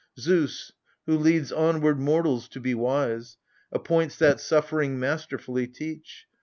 Zeus, who leads onward mortals to be wise, Appoints that suffering masterfully teach.